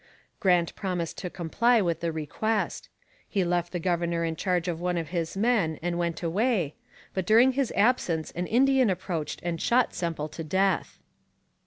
Grant promised to comply with the request. He left the governor in charge of one of his men and went away, but during his absence an Indian approached and shot Semple to death.